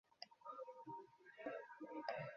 ছি ছি, এ কথা মনে করিতে লজ্জা হয়।